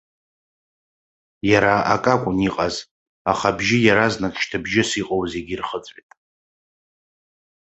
Иара акы акәын иҟаз, аха абжьы иаразнак шьҭыбжьыс иҟоу зегьы ирхыҵәеит.